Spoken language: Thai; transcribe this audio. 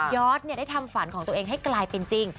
อดได้ทำฝันของตัวเองให้กลายเป็นจริง